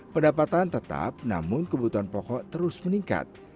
pendapatan tetap namun kebutuhan pokok terus meningkat